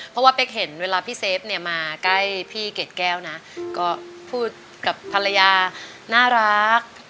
เพราะว่าเป๊กเห็นเวลาพี่เซฟเนี่ยมาใกล้พี่เกดแก้วนะก็พูดกับภรรยาน่ารัก